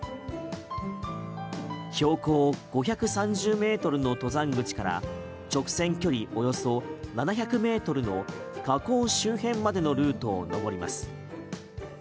標高５３０ｍの登山口から直線距離およそ７００ｍの火口周辺までのルートを登ります。